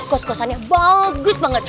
kos kosannya bagus banget